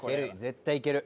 絶対いける。